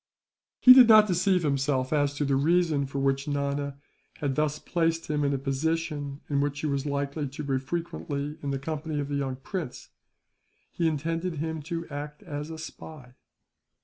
He did not deceive himself as to the reason for which Nana had thus placed him in a position in which he was likely to be frequently in the company of the young prince. He intended him to act as a spy.